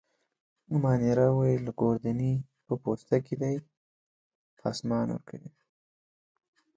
مانیرا وویل: ګوردیني په پوسته کي دی، پاسمان ورکوي.